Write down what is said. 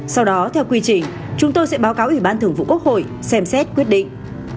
sau đó theo quy trình chúng tôi sẽ báo cáo ủy ban thường vụ quốc hội xem xét quyết định